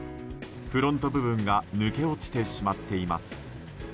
フロント部分が抜け落ちてしまっています。